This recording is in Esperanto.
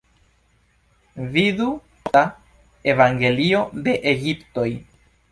Vidu Kopta Evangelio de Egiptoj.